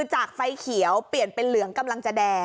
จากไฟเขียวเปลี่ยนเป็นเหลืองกำลังจะแดง